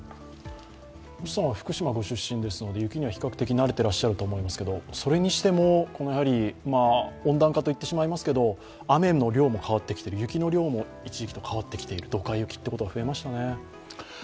星さんは福島ご出身ですので、雪には比較的慣れていらっしゃると思うんですけど、それにしても、温暖化といってしまいますが、雨の量も変わってきている、雪の量も一時期と変わってきているドカ雪ということが多くなってきましたね。